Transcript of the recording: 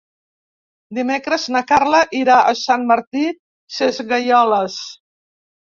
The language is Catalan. Dimecres na Carla irà a Sant Martí Sesgueioles.